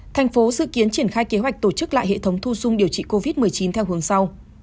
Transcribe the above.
thành phố dự kiến triển khai kế hoạch tổ chức lại hệ thống thu dung điều trị covid một mươi chín theo hướng sau